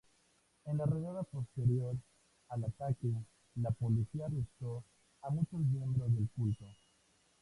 En la redada posterior al ataque, la policía arrestó a muchos miembros del culto.